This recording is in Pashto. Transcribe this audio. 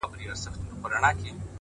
زړورتیا د وېرو ماتولو نوم دی